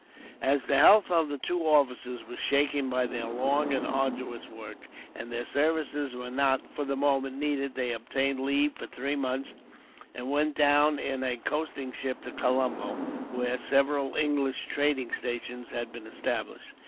As the health of the two officers was shaken by their long and arduous work, and their services were not, for the moment, needed, they obtained leave for three months, and went down in a coasting ship to Columbo, where several English trading stations had been established.